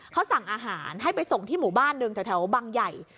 เขาสั่งอาหารให้ไปส่งที่หมู่บ้านหนึ่งแถวบังใหญ่